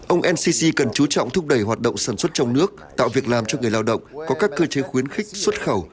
ông ncc cần chú trọng thúc đẩy hoạt động sản xuất trong nước tạo việc làm cho người lao động có các cơ chế khuyến khích xuất khẩu